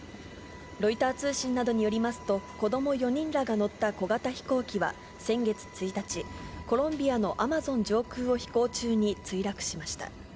ロイター通信などによりますと、子ども４人らが乗った小型飛行機は、先月１日、コロンビアのアマゾン上空を飛行中に墜落しました。